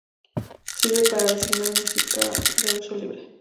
Sirve para designar música de libre uso.